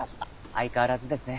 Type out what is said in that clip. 相変わらずですね。